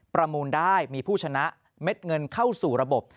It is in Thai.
ประมูลได้มีผู้ชนะเม็ดเงินเข้าสู่ระบบ